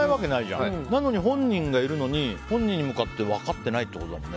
なのに本人がいるのに本人に向かって分かってないってことだよね。